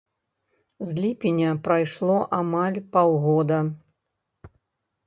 З ліпеня прайшло амаль паўгода.